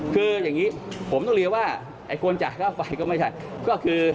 คืออย่างนี้ผมต้องเรียกว่าไอ้คนจ่ายค่าไฟก็ไม่ใช่ก็คือ